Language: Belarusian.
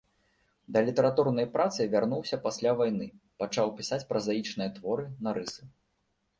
Да літаратурнай працы вярнуўся пасля вайны, пачаў пісаць празаічныя творы, нарысы.